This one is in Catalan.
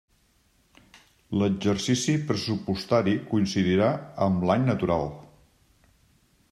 L'exercici pressupostari coincidirà amb l'any natural.